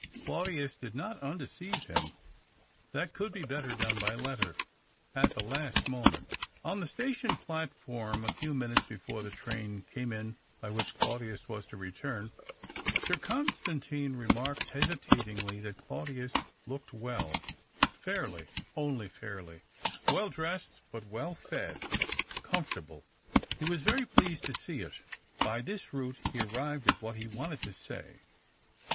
Claudius did not undeceive him. That could be better done by letter, at the last moment. On the station platform a few minutes before the train came in by which Claudius was to return, Sir Constantine remarked hesitatingly that Claudius looked well — fairly, 282 THE OCTAVE OP CLAUDIUS. only fairly, well dressed, but well fed, com fortable. He was very pleased to see it. By this route he arrived at what he wanted to say.